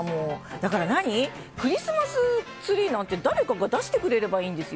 だから、クリスマスツリーなんか誰かが出してくれればいいんですよ。